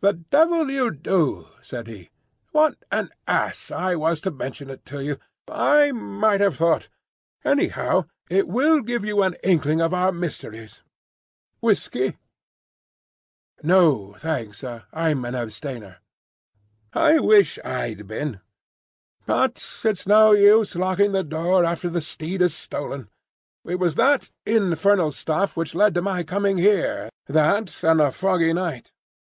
"The devil you do!" said he. "What an ass I was to mention it to you! I might have thought. Anyhow, it will give you an inkling of our—mysteries. Whiskey?" "No, thanks; I'm an abstainer." "I wish I'd been. But it's no use locking the door after the steed is stolen. It was that infernal stuff which led to my coming here,—that, and a foggy night.